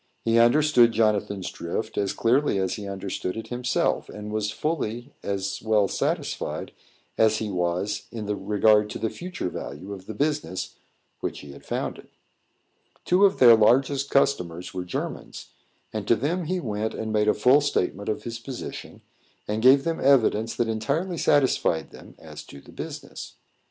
He understood Jonathan's drift as clearly as he understood it himself, and was fully as well satisfied as he was in regard to the future value of the business which he had founded. Two of their largest customers were Germans, and to them he went and made a full statement of his position, and gave them evidence that entirely satisfied them as to the business.